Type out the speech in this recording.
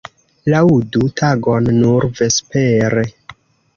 Laŭdu tagon nur vespere.